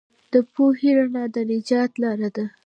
د پوهې رڼا د نجات لار ده.